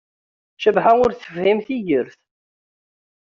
Cabḥa ur tefhim tigert.